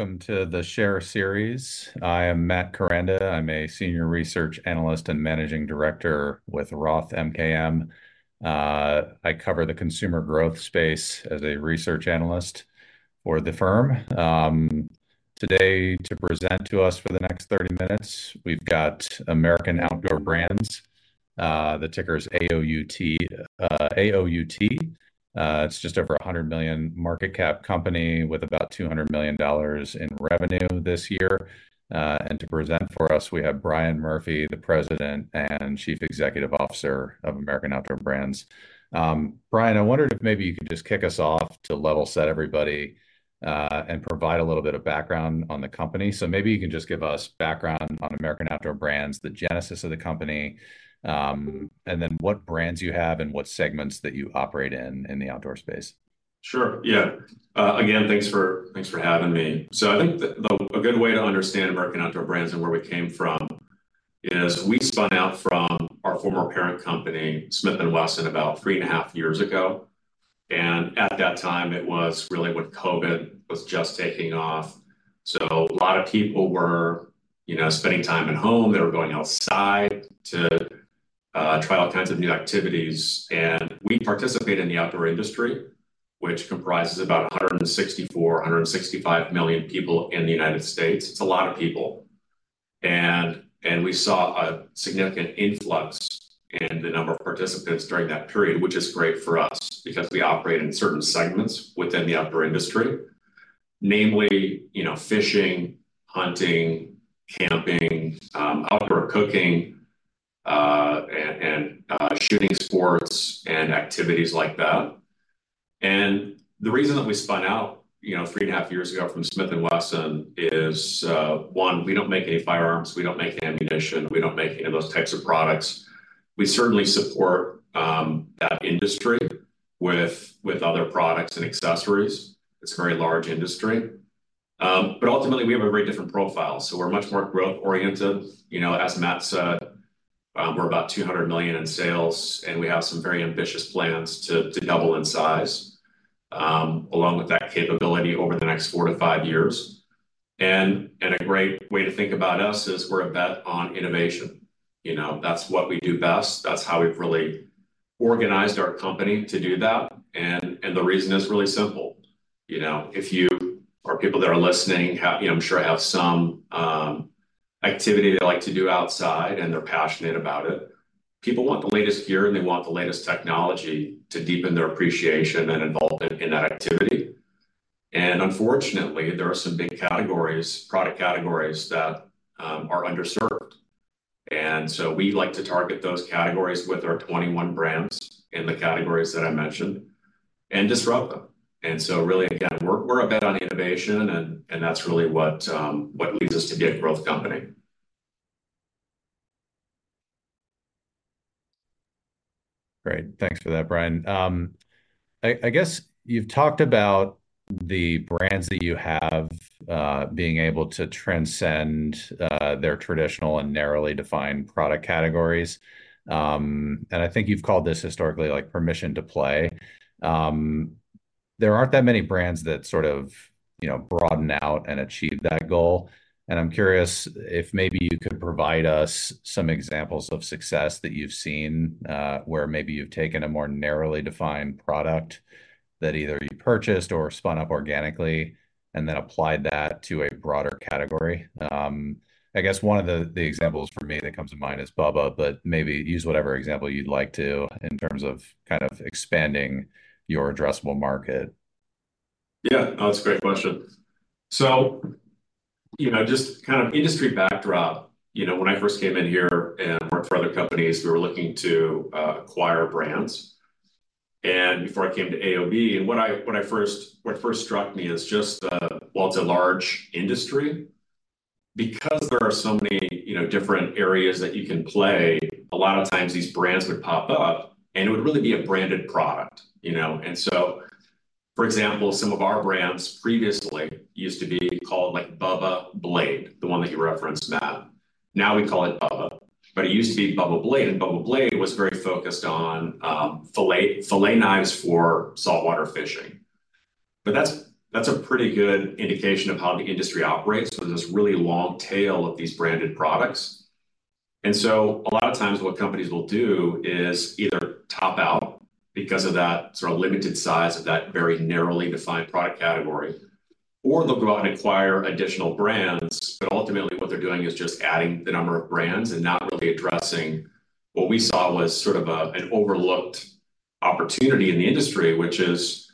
Welcome to the Share Series. I am Matt Koranda. I'm a Senior Research Analyst and Managing Director with Roth MKM. I cover the consumer growth space as a Research Analyst for the firm. Today, to present to us for the next 30 minutes, we've got American Outdoor Brands. The ticker is AOUT, AOUT. It's just over $100 million market cap company with about $200 million in revenue this year. And to present for us, we have Brian Murphy, the President and Chief Executive Officer of American Outdoor Brands. Brian, I wondered if maybe you could just kick us off to level set everybody, and provide a little bit of background on the company. Maybe you can just give us background on American Outdoor Brands, the genesis of the company, and then what brands you have and what segments that you operate in, in the outdoor space. Sure, yeah. Again, thanks for having me. So I think that a good way to understand American Outdoor Brands and where we came from is we spun out from our former parent company, Smith & Wesson, about 3.5 years ago, and at that time, it was really when COVID was just taking off. So a lot of people were, you know, spending time at home. They were going outside to try all kinds of new activities. And we participate in the outdoor industry, which comprises about 164 million-165 million people in the United States. It's a lot of people, and we saw a significant influx in the number of participants during that period, which is great for us because we operate in certain segments within the outdoor industry, namely, you know, fishing, hunting, camping, outdoor cooking, and shooting sports and activities like that. And the reason that we spun out, you know, 3.5 years ago from Smith & Wesson is, one, we don't make any firearms, we don't make ammunition, we don't make any of those types of products. We certainly support that industry with other products and accessories. It's a very large industry, but ultimately, we have a very different profile, so we're much more growth-oriented. You know, as Matt said, we're about $200 million in sales, and we have some very ambitious plans to double in size, along with that capability over the next 4-5 years. And a great way to think about us is we're a bet on innovation. You know, that's what we do best. That's how we've really organized our company to do that, and the reason is really simple. You know, if you or people that are listening have—you know, I'm sure have some activity they like to do outside, and they're passionate about it. People want the latest gear, and they want the latest technology to deepen their appreciation and involvement in that activity, and unfortunately, there are some big categories, product categories, that are underserved. We like to target those categories with our 21 brands in the categories that I mentioned and disrupt them. Really, again, we're a bet on innovation and that's really what leads us to be a growth company. Great. Thanks for that, Brian. I guess you've talked about the brands that you have being able to transcend their traditional and narrowly defined product categories. And I think you've called this historically, like permission to play. There aren't that many brands that sort of, you know, broaden out and achieve that goal, and I'm curious if maybe you could provide us some examples of success that you've seen where maybe you've taken a more narrowly defined product that either you purchased or spun up organically and then applied that to a broader category. I guess one of the examples for me that comes to mind is Bubba, but maybe use whatever example you'd like to in terms of kind of expanding your addressable market. Yeah, that's a great question. So, you know, just kind of industry backdrop. You know, when I first came in here and worked for other companies, we were looking to acquire brands, and before I came to AOB, what first struck me is just while it's a large industry, because there are so many, you know, different areas that you can play, a lot of times these brands would pop up, and it would really be a branded product, you know? And so, for example, some of our brands previously used to be called, like, Bubba Blade, the one that you referenced, Matt. Now we call it BUBBA, but it used to be Bubba Blade, and Bubba Blade was very focused on fillet knives for saltwater fishing. But that's, that's a pretty good indication of how the industry operates with this really long tail of these branded products. And so a lot of times, what companies will do is either top out because of that sort of limited size of that very narrowly defined product category, or they'll go out and acquire additional brands. But ultimately, what they're doing is just adding the number of brands and not really addressing what we saw was sort of a, an overlooked opportunity in the industry, which is,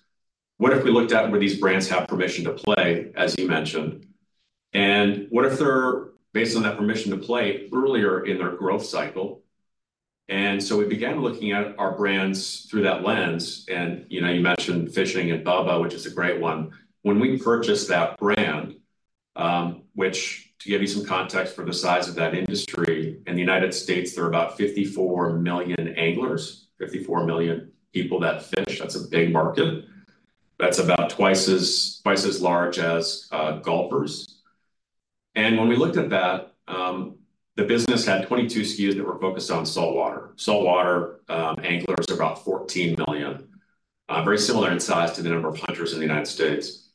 what if we looked at where these brands have permission to play, as you mentioned, and what if they're based on that permission to play earlier in their growth cycle? And so we began looking at our brands through that lens, and, you know, you mentioned fishing and BUBBA, which is a great one. When we purchased that brand, which, to give you some context for the size of that industry, in the United States, there are about 54 million anglers, 54 million people that fish. That's a big market. That's about twice as large as golfers. And when we looked at that, the business had 22 SKUs that were focused on saltwater. Saltwater anglers are about 14 million, very similar in size to the number of hunters in the United States.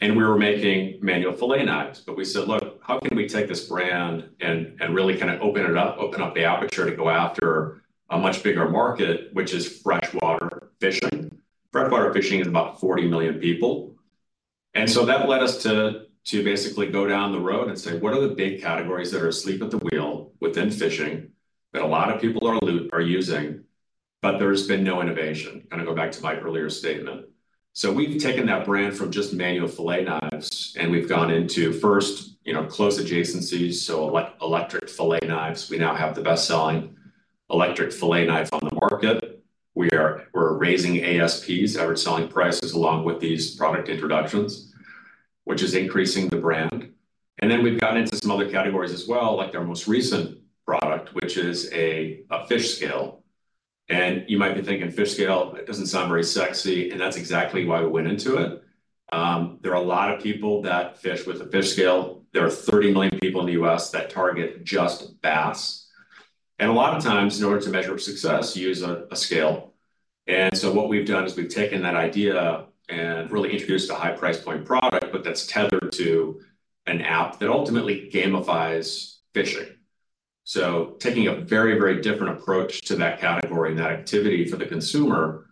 And we were making manual fillet knives, but we said: "Look, how can we take this brand and really kind of open it up, open up the aperture to go after a much bigger market, which is freshwater fishing?" Freshwater fishing is about 40 million people. And so that led us to basically go down the road and say: "What are the big categories that are asleep at the wheel within fishing, that a lot of people are using, but there's been no innovation?" Kind of go back to my earlier statement. So we've taken that brand from just manual fillet knives, and we've gone into first, you know, close adjacencies, so electric fillet knives. We now have the best-selling electric fillet knives on the market. We're raising ASPs, average selling prices, along with these product introductions, which is increasing the brand. And then we've gone into some other categories as well, like our most recent product, which is a fish scale. And you might be thinking, fish scale, that doesn't sound very sexy, and that's exactly why we went into it. There are a lot of people that fish with a fish scale. There are 30 million people in the U.S. that target just bass. A lot of times, in order to measure success, you use a scale. So what we've done is we've taken that idea and really introduced a high price point product, but that's tethered to an app that ultimately gamifies fishing. So taking a very, very different approach to that category and that activity for the consumer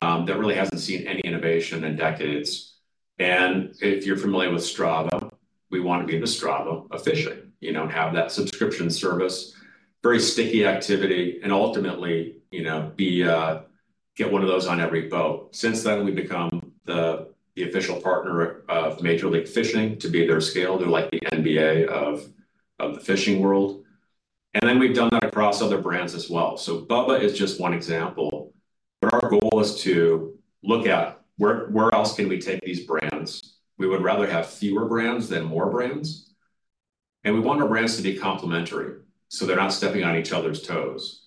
that really hasn't seen any innovation in decades. If you're familiar with Strava, we want to be the Strava of fishing, you know, and have that subscription service. Very sticky activity, and ultimately, you know, be, get one of those on every boat. Since then, we've become the official partner of Major League Fishing to be their scale. They're like the NBA of the fishing world. We've done that across other brands as well. BUBBA is just one example, but our goal is to look at where else can we take these brands. We would rather have fewer brands than more brands, and we want our brands to be complementary, so they're not stepping on each other's toes.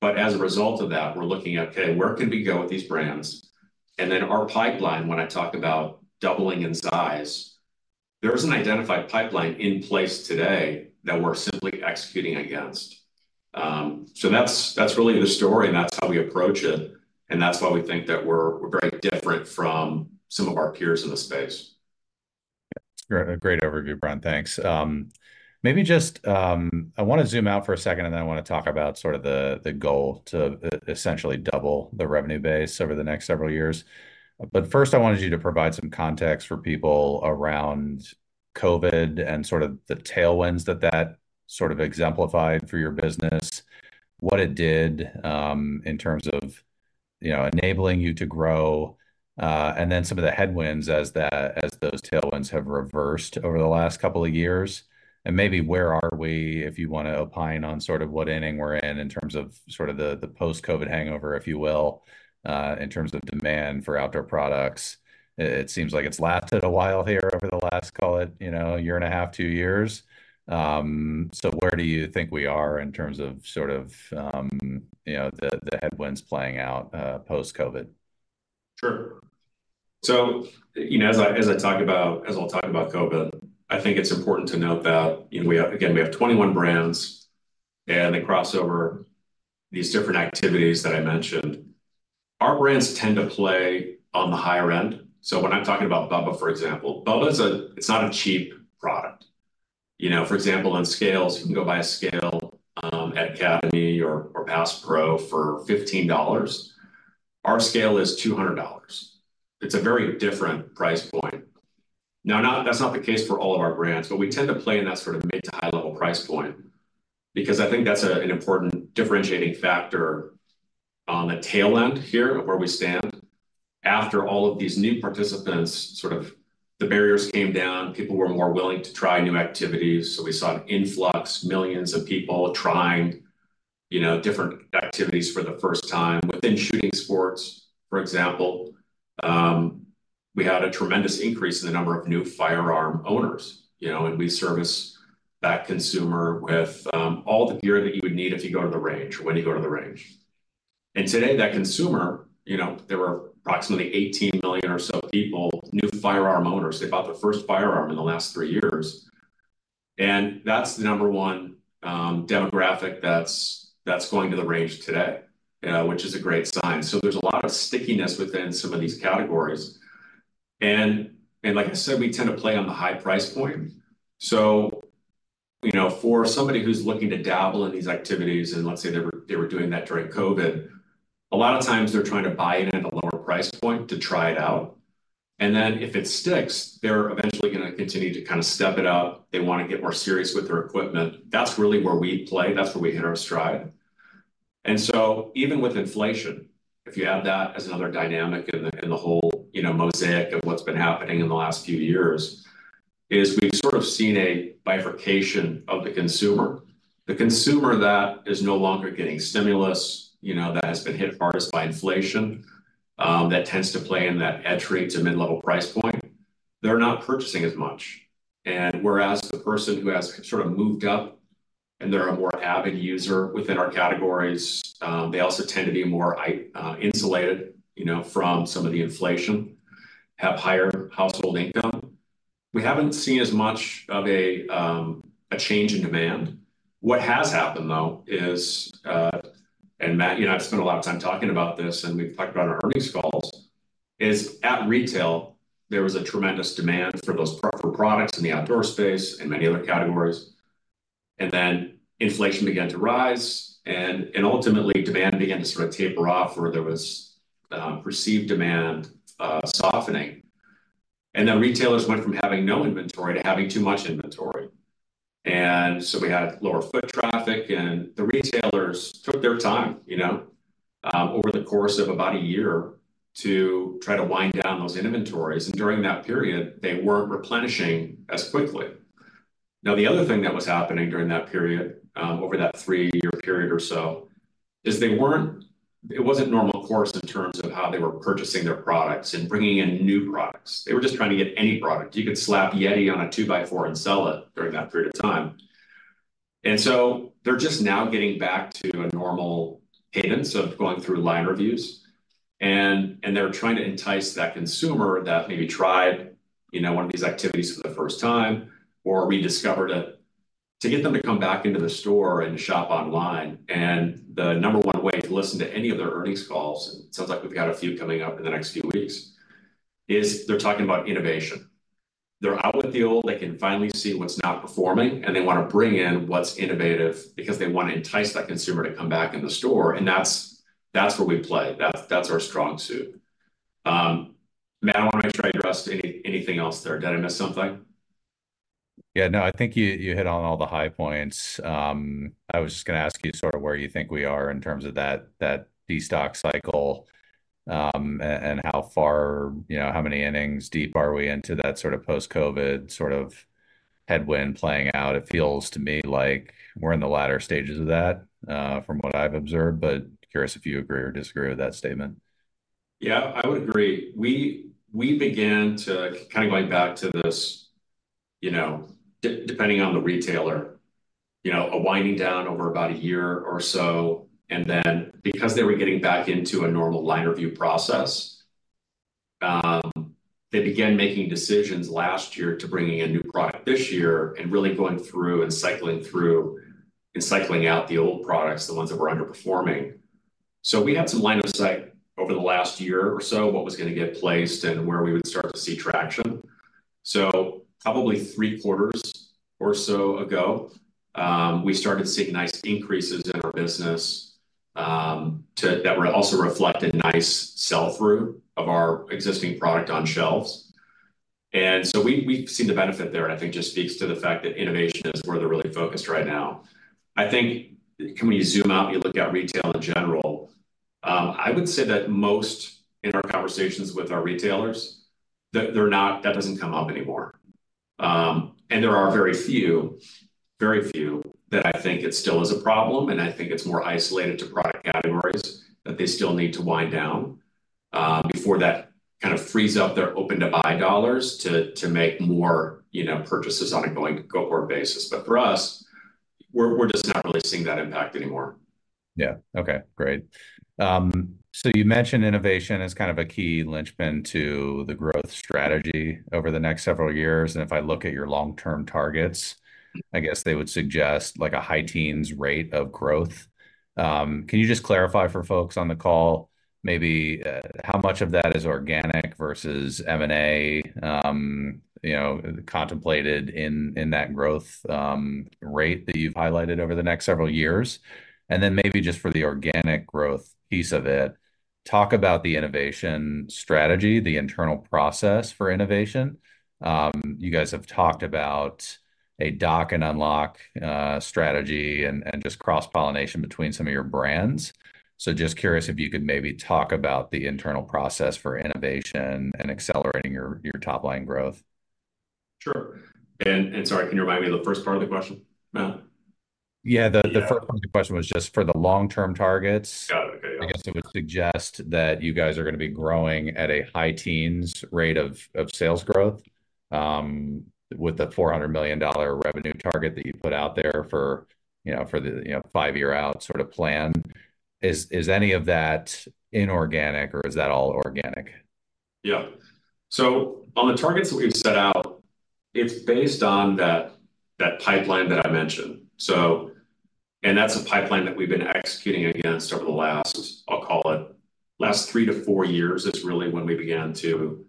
But as a result of that, we're looking at okay, where can we go with these brands. Our pipeline, when I talk about doubling in size, there is an identified pipeline in place today that we're simply executing against. So that's, that's really the story, and that's how we approach it, and that's why we think that we're, we're very different from some of our peers in the space. Yeah. Great overview, Brian. Thanks. Maybe just, I wanna zoom out for a second, and then I wanna talk about sort of the, the goal to essentially double the revenue base over the next several years. But first, I wanted you to provide some context for people around COVID and sort of the tailwinds that, that sort of exemplified for your business, what it did, in terms of, you know, enabling you to grow, and then some of the headwinds as those tailwinds have reversed over the last couple of years. And maybe where are we, if you wanna opine on sort of what inning we're in, in terms of sort of the, the post-COVID hangover, if you will, in terms of demand for outdoor products. It seems like it's lasted a while here over the last, call it, you know, a year and a half, two years. So where do you think we are in terms of sort of, you know, the headwinds playing out, post-COVID? Sure. So, you know, as I'll talk about COVID, I think it's important to note that, you know, we have, again, 21 brands, and they cross over these different activities that I mentioned. Our brands tend to play on the higher end. So when I'm talking about BUBBA, for example, BUBBA. It's not a cheap product. You know, for example, on scales, you can go buy a scale at Cabela's or Bass Pro for $15. Our scale is $200. It's a very different price point. Now, that's not the case for all of our brands, but we tend to play in that sort of mid to high-level price point, because I think that's a, an important differentiating factor on the tail end here of where we stand. After all of these new participants, sort of the barriers came down, people were more willing to try new activities, so we saw an influx, millions of people trying, you know, different activities for the first time. Within shooting sports, for example, we had a tremendous increase in the number of new firearm owners, you know, and we service that consumer with all the gear that you would need if you go to the range or when you go to the range. And today, that consumer, you know, there were approximately 18 million or so people, new firearm owners. They bought their first firearm in the last three years, and that's the number one demographic that's going to the range today, which is a great sign. So there's a lot of stickiness within some of these categories. And like I said, we tend to play on the high price point. So, you know, for somebody who's looking to dabble in these activities, and let's say they were doing that during COVID, a lot of times they're trying to buy it at a lower price point to try it out. And then, if it sticks, they're eventually gonna continue to kind of step it up. They want to get more serious with their equipment. That's really where we play. That's where we hit our stride. And so even with inflation, if you add that as another dynamic in the whole, you know, mosaic of what's been happening in the last few years, is we've sort of seen a bifurcation of the consumer. The consumer that is no longer getting stimulus, you know, that has been hit hardest by inflation, that tends to play in that entry to mid-level price point, they're not purchasing as much. And whereas the person who has sort of moved up and they're a more avid user within our categories. They also tend to be more insulated, you know, from some of the inflation, have higher household income. We haven't seen as much of a change in demand. What has happened, though, is, and Matt, you know, I've spent a lot of time talking about this, and we've talked about our earnings calls, is at retail, there was a tremendous demand for those products in the outdoor space and many other categories. And then inflation began to rise, and ultimately, demand began to sort of taper off, where there was perceived demand softening. And then retailers went from having no inventory to having too much inventory. And so we had lower foot traffic, and the retailers took their time, you know, over the course of about a year to try to wind down those inventories, and during that period, they weren't replenishing as quickly. Now, the other thing that was happening during that period, over that three-year period or so, is it wasn't normal course in terms of how they were purchasing their products and bringing in new products. They were just trying to get any product. You could slap YETI on a two-by-four and sell it during that period of time. And so they're just now getting back to a normal cadence of going through line reviews, and they're trying to entice that consumer that maybe tried, you know, one of these activities for the first time, or rediscovered it, to get them to come back into the store and shop online. And the number one way to listen to any of their earnings calls, and it sounds like we've got a few coming up in the next few weeks, is they're talking about innovation. They're out with the old. They can finally see what's not performing, and they want to bring in what's innovative because they want to entice that consumer to come back in the store, and that's, that's where we play. That's, that's our strong suit. Matt, I want to make sure I addressed anything else there. Did I miss something? Yeah, no, I think you, you hit on all the high points. I was just gonna ask you sort of where you think we are in terms of that, that destock cycle, and how far, you know, how many innings deep are we into that sort of post-COVID sort of headwind playing out? It feels to me like we're in the latter stages of that, from what I've observed, but curious if you agree or disagree with that statement. Yeah, I would agree. We began to kinda going back to this, you know, depending on the retailer, you know, a winding down over about a year or so, and then because they were getting back into a normal line review process, they began making decisions last year to bringing in new product this year and really going through and cycling through and cycling out the old products, the ones that were underperforming. So we had some line of sight over the last year or so, what was gonna get placed and where we would start to see traction. So probably three quarters or so ago, we started seeing nice increases in our business, to that were also reflected nice sell-through of our existing product on shelves. We've seen the benefit there, and I think just speaks to the fact that innovation is where they're really focused right now. I think when you zoom out, you look at retail in general. I would say that most, in our conversations with our retailers, that doesn't come up anymore. There are very few, very few, that I think it still is a problem, and I think it's more isolated to product categories that they still need to wind down before that kind of frees up their open-to-buy dollars to make more, you know, purchases on a going forward basis. For us, we're just not really seeing that impact anymore. Yeah. Okay, great. So you mentioned innovation as kind of a key linchpin to the growth strategy over the next several years, and if I look at your long-term targets, I guess they would suggest, like, a high teens rate of growth. Can you just clarify for folks on the call maybe how much of that is organic versus M&A, you know, contemplated in that growth rate that you've highlighted over the next several years? And then maybe just for the organic growth piece of it, talk about the innovation strategy, the internal process for innovation. You guys have talked about a Dock and Unlock strategy and just cross-pollination between some of your brands. So just curious if you could maybe talk about the internal process for innovation and accelerating your top-line growth. Sure. And, and sorry, can you remind me of the first part of the question, Matt? Yeah, the- Yeah. First part of the question was just for the long-term targets. Got it. Okay, yeah. I guess it would suggest that you guys are gonna be growing at a high-teens rate of sales growth with the $400 million revenue target that you put out there for, you know, for the, you know, five-year out sort of plan. Is any of that inorganic, or is that all organic? Yeah. So on the targets that we've set out, it's based on that, that pipeline that I mentioned. So... And that's a pipeline that we've been executing against over the last, I'll call it, last 3-4 years is really when we began to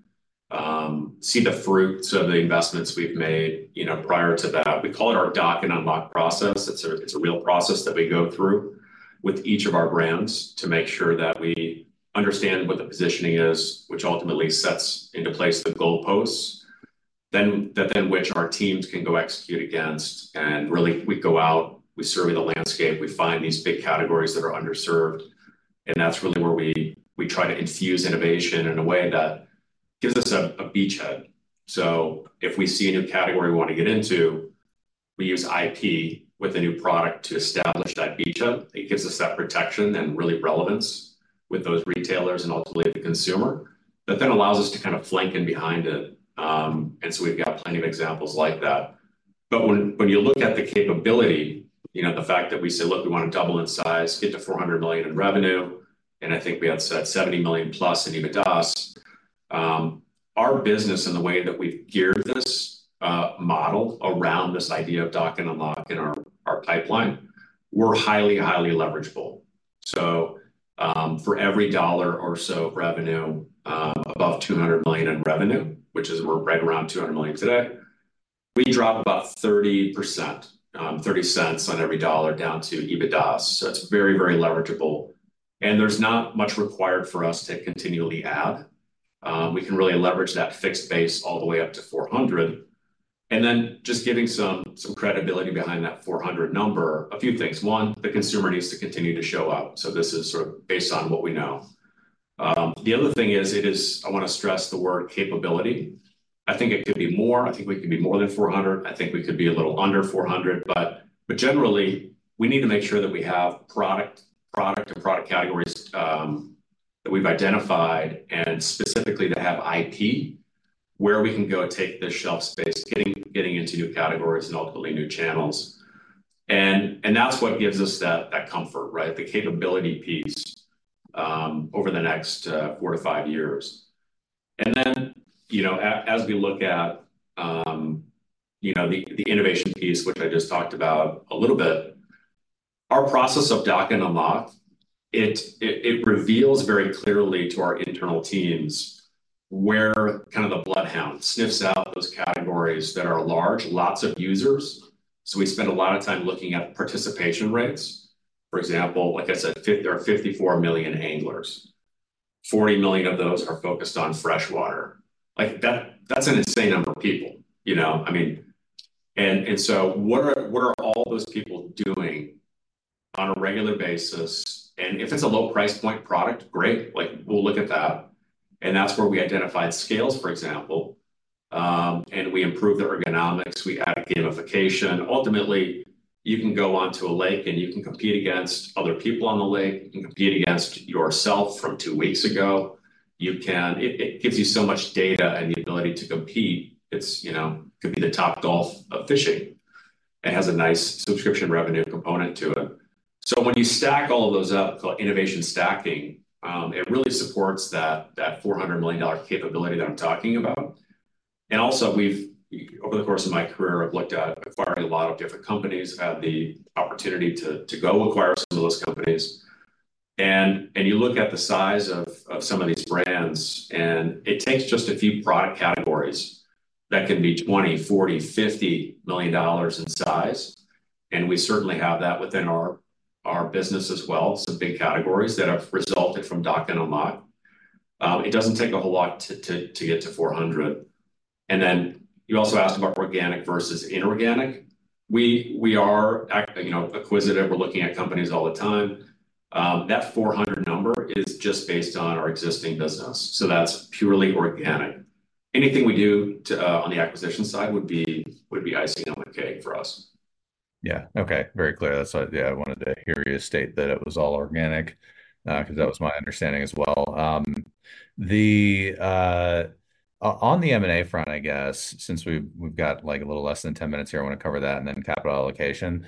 see the fruits of the investments we've made, you know, prior to that. We call it our Dock and Unlock process. It's a, it's a real process that we go through with each of our brands to make sure that we understand what the positioning is, which ultimately sets into place the goalposts. Then, that then which our teams can go execute against, and really, we go out, we survey the landscape, we find these big categories that are underserved, and that's really where we, we try to infuse innovation in a way that gives us a, a beachhead. So if we see a new category we want to get into, we use IP with a new product to establish that beachhead. It gives us that protection and really relevance with those retailers and ultimately the consumer... that then allows us to kind of flank in behind it. And so we've got plenty of examples like that. But when you look at the capability, you know, the fact that we said, "Look, we want to double in size, get to $400 million in revenue," and I think we had set $70 million+ in EBITDA. Our business and the way that we've geared this model around this idea of Dock and Unlock in our pipeline, we're highly, highly leverageable. So, for every dollar or so of revenue, above $200 million in revenue, which is—we're right around $200 million today, we drop about 30%, 30 cents on every dollar down to EBITDA. So it's very, very leverageable, and there's not much required for us to continually add. We can really leverage that fixed base all the way up to $400 million. And then just giving some credibility behind that $400 million number, a few things. One, the consumer needs to continue to show up, so this is sort of based on what we know. The other thing is, it is I want to stress the word capability. I think it could be more, I think we could be more than $400 million. I think we could be a little under 400, but generally, we need to make sure that we have product and product categories that we've identified, and specifically to have IP where we can go take the shelf space, getting into new categories and ultimately new channels. And that's what gives us that comfort, right? The capability piece over the next 4-5 years. And then, you know, as we look at, you know, the innovation piece, which I just talked about a little bit, our process of Dock and Unlock, it reveals very clearly to our internal teams where kind of the bloodhound sniffs out those categories that are large, lots of users. So we spend a lot of time looking at participation rates. For example, like I said, there are 54 million anglers. 40 million of those are focused on freshwater. Like, that's an insane number of people, you know? I mean. And so what are all those people doing on a regular basis? And if it's a low price point product, great! Like, we'll look at that. And that's where we identified scales, for example, and we improved the ergonomics, we added gamification. Ultimately, you can go onto a lake, and you can compete against other people on the lake. You can compete against yourself from 2 weeks ago. You can. It gives you so much data and the ability to compete. It's, you know, could be the Topgolf of fishing, and has a nice subscription revenue component to it. So when you stack all of those up, it's called innovation stacking. It really supports that $400 million capability that I'm talking about. And also, we've, over the course of my career, I've looked at acquiring a lot of different companies. I've had the opportunity to go acquire some of those companies. And you look at the size of some of these brands, and it takes just a few product categories that can be $20 million, $40 million, $50 million in size, and we certainly have that within our business as well. Some big categories that have resulted from Dock and Unlock. It doesn't take a whole lot to get to $400 million. And then, you also asked about organic versus inorganic. We are acting, you know, acquisitive. We're looking at companies all the time. That 400 number is just based on our existing business, so that's purely organic. Anything we do to, on the acquisition side would be icing on the cake for us. Yeah. Okay, very clear. That's why, yeah, I wanted to hear you state that it was all organic, 'cause that was my understanding as well. On the M&A front, I guess, since we've got, like, a little less than 10 minutes here, I want to cover that, and then capital allocation.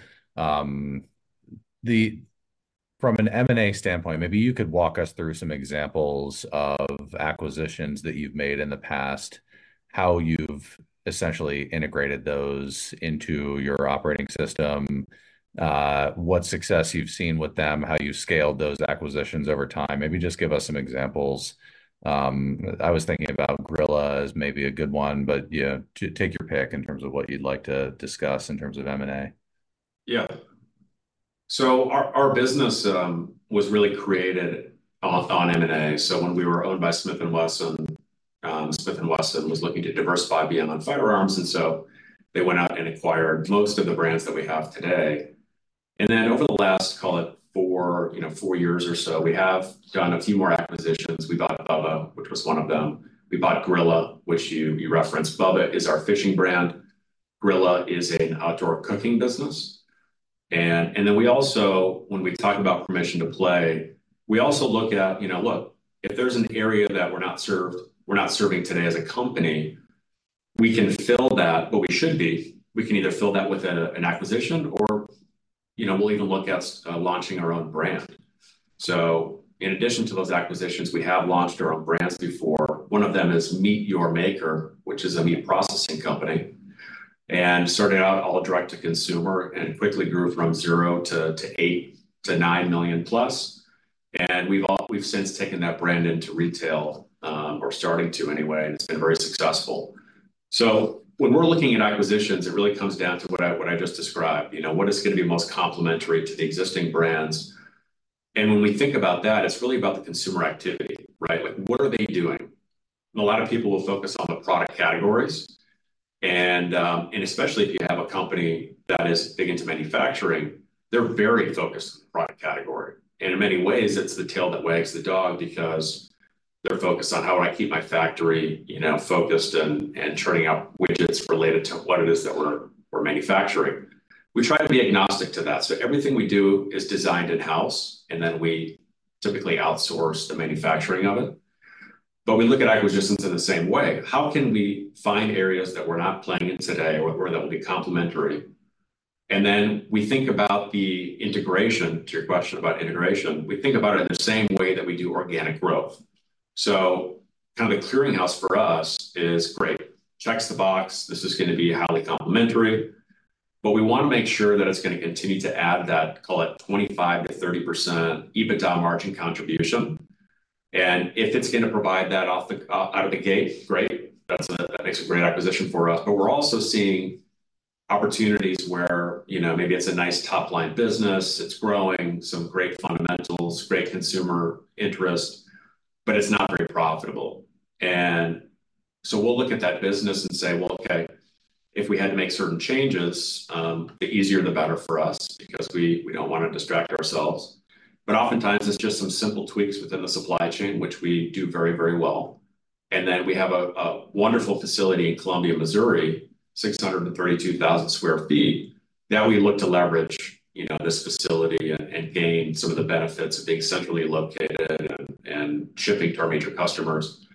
From an M&A standpoint, maybe you could walk us through some examples of acquisitions that you've made in the past, how you've essentially integrated those into your operating system, what success you've seen with them, how you've scaled those acquisitions over time. Maybe just give us some examples. I was thinking about Grilla as maybe a good one, but, yeah, take your pick in terms of what you'd like to discuss in terms of M&A. Yeah. So our business was really created off on M&A. So when we were owned by Smith & Wesson, Smith & Wesson was looking to diversify beyond firearms, and so they went out and acquired most of the brands that we have today. And then over the last, call it 4, you know, 4 years or so, we have done a few more acquisitions. We bought BUBBA, which was one of them. We bought Grilla, which you referenced. BUBBA is our fishing brand, Grilla is an outdoor cooking business. And then we also, when we talk about permission to play, we also look at, you know, if there's an area that we're not served, we're not serving today as a company, we can fill that, but we should be. We can either fill that with an acquisition or, you know, we'll even look at launching our own brand. So in addition to those acquisitions, we have launched our own brands before. One of them is MEAT! Your Maker, which is a meat processing company, and started out all direct to consumer and quickly grew from 0 to $8 million-$9 million+. And we've since taken that brand into retail, or starting to anyway, and it's been very successful. So when we're looking at acquisitions, it really comes down to what I just described, you know, what is going to be most complementary to the existing brands? And when we think about that, it's really about the consumer activity, right? Like, what are they doing? And a lot of people will focus on the product categories, and especially if you have a company that is big into manufacturing, they're very focused on the product category. And in many ways, it's the tail that wags the dog because they're focused on: How do I keep my factory, you know, focused and churning out widgets related to what it is that we're manufacturing? We try to be agnostic to that. So everything we do is designed in-house, and then we typically outsource the manufacturing of it. But we look at acquisitions in the same way: How can we find areas that we're not playing in today or that will be complementary? And then we think about the integration, to your question about integration, we think about it in the same way that we do organic growth. So kind of the clearinghouse for us is great. Checks the box, this is gonna be highly complementary, but we wanna make sure that it's gonna continue to add that, call it, 25%-30% EBITDA margin contribution. And if it's gonna provide that out of the gate, right, that's a, that makes a great acquisition for us. But we're also seeing opportunities where, you know, maybe it's a nice top-line business, it's growing, some great fundamentals, great consumer interest, but it's not very profitable. And so we'll look at that business and say: "Well, okay, if we had to make certain changes, the easier, the better for us, because we don't wanna distract ourselves." But oftentimes, it's just some simple tweaks within the supply chain, which we do very, very well. And then we have a wonderful facility in Columbia, Missouri, 632,000 sq ft, that we look to leverage, you know, this facility and gain some of the benefits of being centrally located and shipping to our major customers.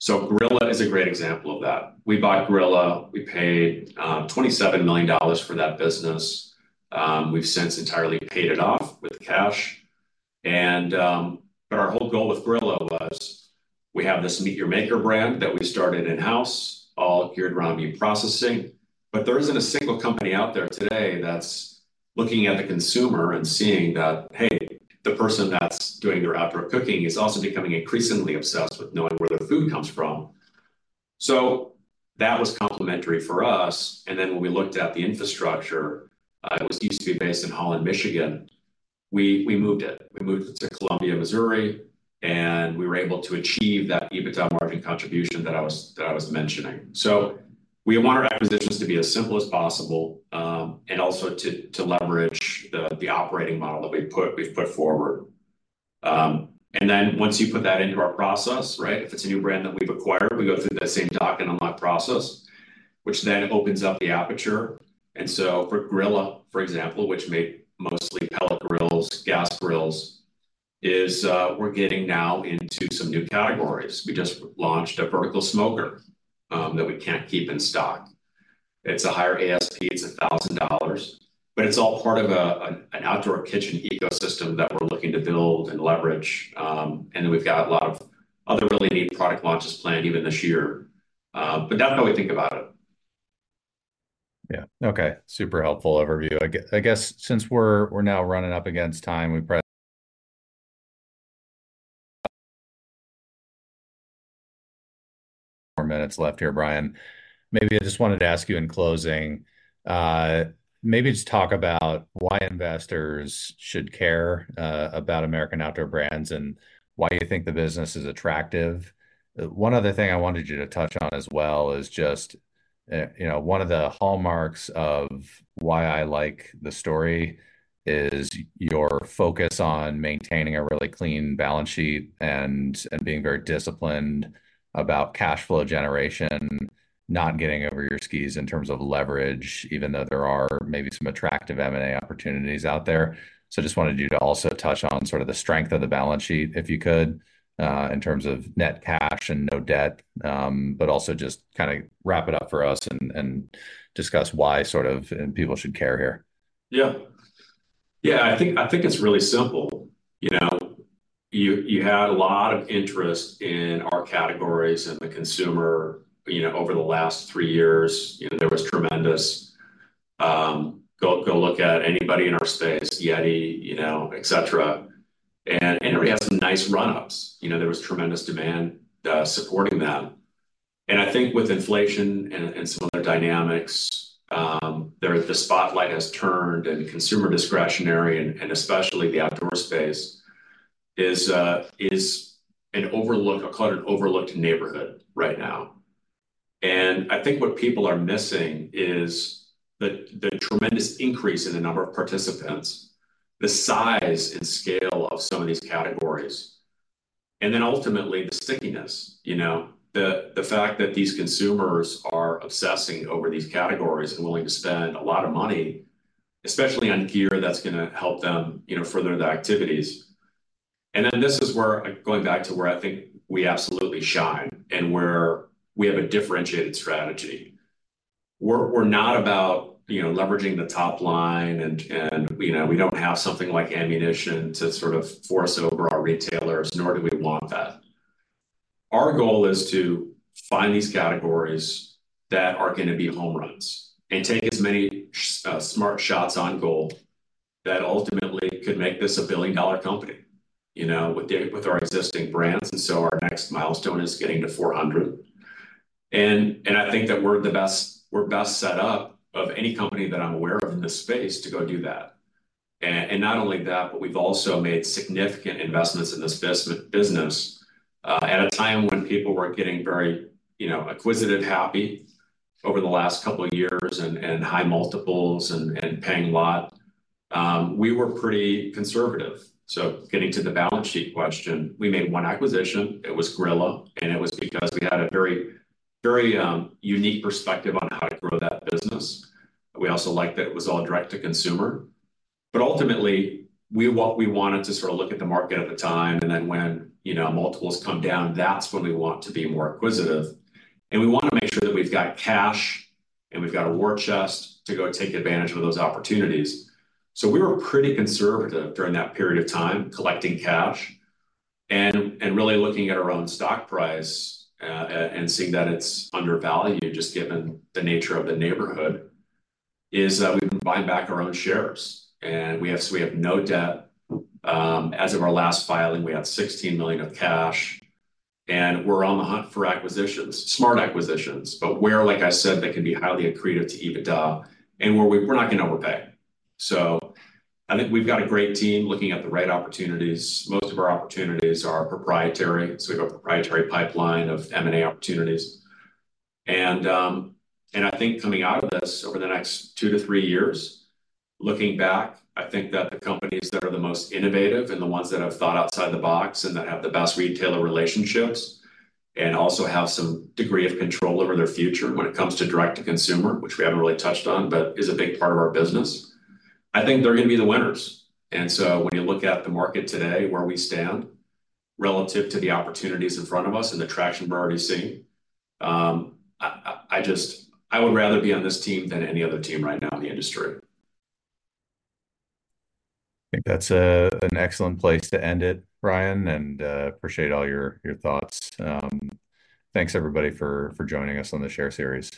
So Grilla is a great example of that. We bought Grilla, we paid $27 million for that business. We've since entirely paid it off with cash, and... But our whole goal with Grilla was, we have this MEAT! Your Maker brand that we started in-house, all geared around meat processing. But there isn't a single company out there today that's looking at the consumer and seeing that, hey, the person that's doing their outdoor cooking is also becoming increasingly obsessed with knowing where their food comes from. So that was complementary for us, and then when we looked at the infrastructure, it used to be based in Holland, Michigan. We, we moved it. We moved it to Columbia, Missouri, and we were able to achieve that EBITDA margin contribution that I was, that I was mentioning. So we want our acquisitions to be as simple as possible, and also to, to leverage the, the operating model that we've put, we've put forward. And then once you put that into our process, right, if it's a new brand that we've acquired, we go through that same Dock and Unlock process, which then opens up the aperture. And so for Grilla, for example, which made mostly Pellet Grills, Gas Grills, we're getting now into some new categories. We just launched a Vertical Smoker that we can't keep in stock. It's a higher ASP, it's $1,000, but it's all part of an outdoor kitchen ecosystem that we're looking to build and leverage. And then we've got a lot of other really neat product launches planned even this year, but definitely think about it. Yeah. Okay. Super helpful overview. I guess since we're now running up against time, 4 minutes left here, Brian. Maybe I just wanted to ask you in closing, maybe just talk about why investors should care about American Outdoor Brands, and why you think the business is attractive. One other thing I wanted you to touch on as well is just, you know, one of the hallmarks of why I like the story is your focus on maintaining a really clean balance sheet and being very disciplined about cash flow generation, not getting over your skis in terms of leverage, even though there are maybe some attractive M&A opportunities out there. So just wanted you to also touch on sort of the strength of the balance sheet, if you could, in terms of net cash and no debt. But also just kinda wrap it up for us and discuss why sort of people should care here. Yeah. Yeah, I think, I think it's really simple. You know, you had a lot of interest in our categories and the consumer, you know, over the last three years. You know, there was tremendous. Go look at anybody in our space, YETI, you know, et cetera, and we had some nice run-ups. You know, there was tremendous demand supporting them. And I think with inflation and some other dynamics, there, the spotlight has turned, and consumer discretionary, and especially the outdoor space, is an overlooked neighborhood right now. I call it an overlooked neighborhood right now. And I think what people are missing is the tremendous increase in the number of participants, the size and scale of some of these categories, and then ultimately, the stickiness, you know. The fact that these consumers are obsessing over these categories and willing to spend a lot of money, especially on gear, that's gonna help them, you know, further the activities. And then this is where, going back to where I think we absolutely shine and where we have a differentiated strategy. We're not about, you know, leveraging the top line and you know, we don't have something like ammunition to sort of force over our retailers, nor do we want that. Our goal is to find these categories that are gonna be home runs, and take as many smart shots on goal that ultimately could make this a billion-dollar company, you know, with our existing brands, and so our next milestone is getting to $400 million. And I think that we're best set up of any company that I'm aware of in this space to go do that. And not only that, but we've also made significant investments in this business at a time when people were getting very, you know, acquisitive happy over the last couple of years, and high multiples and paying a lot. We were pretty conservative. So getting to the balance sheet question, we made one acquisition, it was Grilla, and it was because we had a very, very unique perspective on how to grow that business. We also liked that it was all direct to consumer. But ultimately, we wanted to sort of look at the market at the time, and then when, you know, multiples come down, that's when we want to be more acquisitive. And we wanna make sure that we've got cash, and we've got a war chest to go take advantage of those opportunities. So we were pretty conservative during that period of time, collecting cash and really looking at our own stock price, and seeing that it's undervalued, just given the nature of the neighborhood, is that we've been buying back our own shares. And we have no debt. As of our last filing, we had $16 million of cash, and we're on the hunt for acquisitions, smart acquisitions, but where, like I said, they can be highly accretive to EBITDA, and where we. We're not gonna overpay. So I think we've got a great team looking at the right opportunities. Most of our opportunities are proprietary, so we've a proprietary pipeline of M&A opportunities. I think coming out of this over the next 2-3 years, looking back, I think that the companies that are the most innovative and the ones that have thought outside the box, and that have the best retailer relationships, and also have some degree of control over their future when it comes to direct to consumer, which we haven't really touched on, but is a big part of our business, I think they're gonna be the winners. So when you look at the market today, where we stand relative to the opportunities in front of us and the traction we're already seeing, I just I would rather be on this team than any other team right now in the industry. I think that's an excellent place to end it, Brian, and appreciate all your thoughts. Thanks, everybody, for joining us on the Share Series.